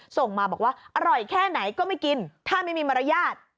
ส่งมาบอกว่าอร่อยแค่ไหนก็ไม่กินถ้าไม่มีมารยาท